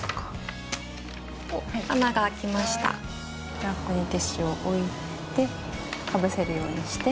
じゃあここにティッシュを置いてかぶせるようにして。